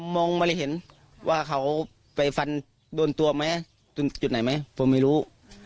มองมาเลยเห็นว่าเขาไปฟันโดนตัวไหมตรงจุดไหนไหมผมไม่รู้